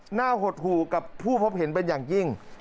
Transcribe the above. หดหู่กับผู้พบเห็นเป็นอย่างยิ่ง